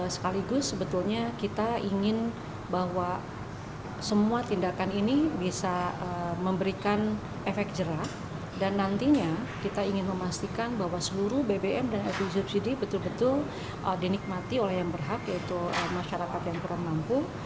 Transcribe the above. sekaligus sebetulnya kita ingin bahwa semua tindakan ini bisa memberikan efek jerah dan nantinya kita ingin memastikan bahwa seluruh bbm dan lpg subsidi betul betul dinikmati oleh yang berhak yaitu masyarakat yang kurang mampu